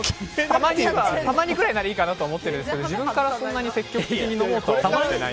たまにぐらいならいいかなと思ってるんですが自分からは積極的に飲もうとは思わない。